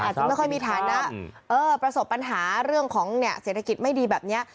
จะไม่ค่อยมีฐานะประสบปัญหาเรื่องของเศรษฐกิจไม่ดีแบบนี้